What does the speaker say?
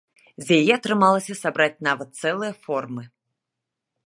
З яе атрымалася сабраць нават цэлыя формы.